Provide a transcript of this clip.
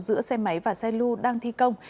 giữa xe máy và xe lưu đang thi công